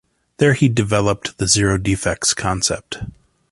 There he developed the Zero Defects concept.